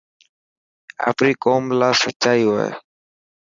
آپري قوم لاءِ سچائي هئي.